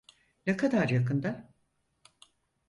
Ne kadar yakında?